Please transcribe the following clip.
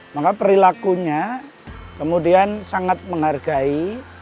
maka perilakunya kemudian sangat menghargai